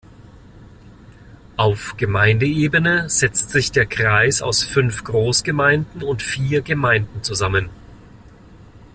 Auf Gemeindeebene setzt sich der Kreis aus fünf Großgemeinden und vier Gemeinden zusammen.